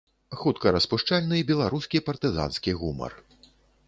Хуткараспушчальны беларускі партызанскі гумар.